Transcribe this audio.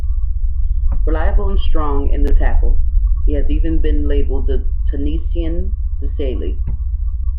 Reliable and strong in the tackle, he has even been labelled "the Tunisian Desailly".